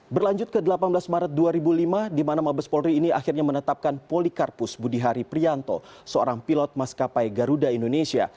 berlanjut ke delapan belas maret dua ribu lima di mana mabes polri ini akhirnya menetapkan polikarpus budihari prianto seorang pilot maskapai garuda indonesia